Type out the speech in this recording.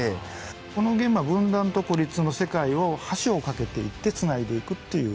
このゲームは分断と孤立の世界を橋を架けていってつないでいくっていう。